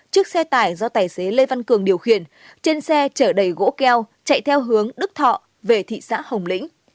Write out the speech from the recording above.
chiếc xe tải do tài xế lê văn cường điều khiển trên xe chở đầy gỗ keo chạy theo hướng đức thọ về thị xã hồng lĩnh